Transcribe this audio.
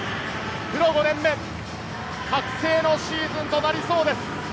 プロ５年目、覚醒のシーズンとなりそうです。